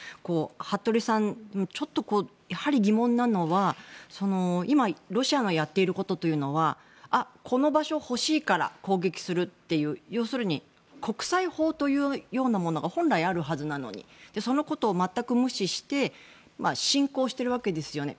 服部さん、ちょっとやはり疑問なのは今、ロシアのやっていることというのはあ、この場所欲しいから攻撃するっていう要するに国際法というようなものが本来あるはずなのにそのことを全く無視して侵攻してるわけですよね。